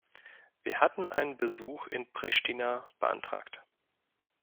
Wir hatten einen Besuch in Pristina beantragt.